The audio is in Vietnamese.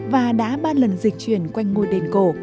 và đã ba lần di chuyển quanh ngôi đền